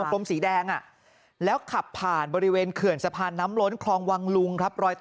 วงคลมสีแดงแล้วขับผ่านบริเวณเขื่อนสะพานน้ำล้นคลองวังลุง